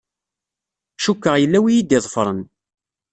Cukkeɣ yella wi yi-d-iḍefren.